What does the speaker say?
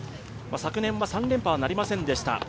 昨年は３連覇はなりませんでした。